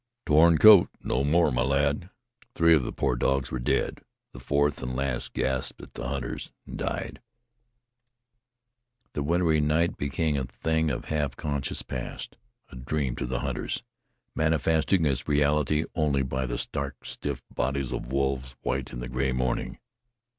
"A torn coat no more, my lad." Three of the poor dogs were dead; the fourth and last gasped at the hunters and died. The wintry night became a thing of half conscious past, a dream to the hunters, manifesting its reality only by the stark, stiff bodies of wolves, white in the gray morning.